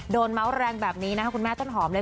เมาส์แรงแบบนี้นะคะคุณแม่ต้นหอมเลย